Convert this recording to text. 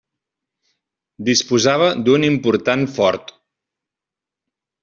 Disposava d'un important fort.